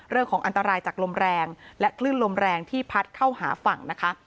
เรื่องของอันตรายจากลมแรงและคลื่นลมแรงที่พัดเข้าหาฝั่งนะคะ